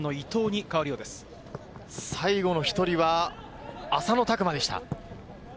最後の１人は浅野拓磨でした。